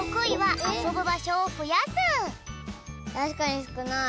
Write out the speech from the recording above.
たしかにすくない。